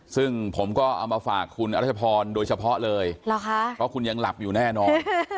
ซึ่งผมก็เอามาฝากคุณอรัชพรโดยเฉพาะเลยเพราะคุณยังหลับอยู่แน่นอน